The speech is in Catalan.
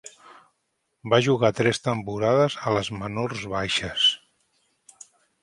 Va jugar tres temporades a les menors baixes.